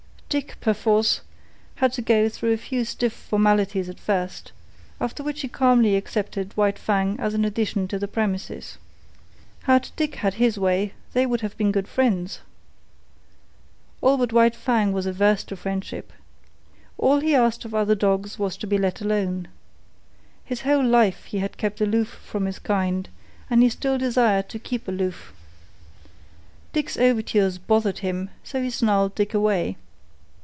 Dick, perforce, had to go through a few stiff formalities at first, after which he calmly accepted White Fang as an addition to the premises. Had Dick had his way, they would have been good friends. All but White Fang was averse to friendship. All he asked of other dogs was to be let alone. His whole life he had kept aloof from his kind, and he still desired to keep aloof. Dick's overtures bothered him, so he snarled Dick away.